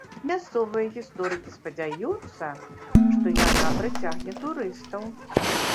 Мясцовыя гісторыкі спадзяюцца, што яна прыцягне турыстаў.